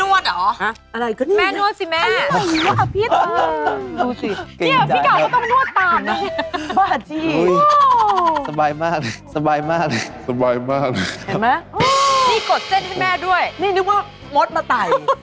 อุณพิมพ์ไม่ต้องถื้อแค่ใส่น้ำคลมน้ำแข็งมากนะคะ